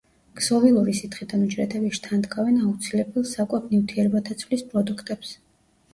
ქსოვილური სითხიდან უჯრედები შთანთქავენ აუცილებელ საკვებ ნივთიერებათა ცვლის პროდუქტებს.